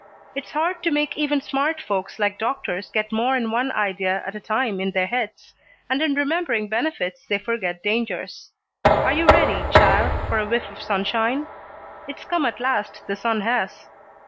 It's hard to make even smart folks like doctors get more 'n one idea at a time in their heads, and in remembering benefits, they forget dangers. Are you ready, child, for a whiff of sunshine? It's come at last, the sun has."